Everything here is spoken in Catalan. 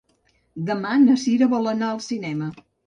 Demà na Sira vol anar al cinema.